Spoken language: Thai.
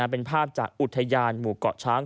เป็นภาพจากอุทยานหมู่เกาะช้าง